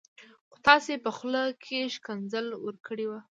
خو تاسي په خوله کي ښکنځل ورکړي و